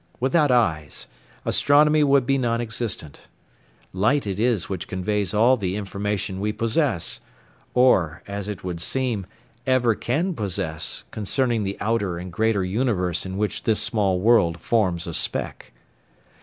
Without eyes, astronomy would be non existent. Light it is which conveys all the information we possess, or, as it would seem, ever can possess, concerning the outer and greater universe in which this small world forms a speck.